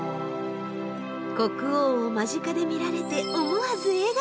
国王を間近で見られて思わず笑顔。